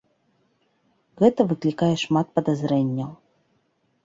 Гэта выклікае шмат падазрэнняў.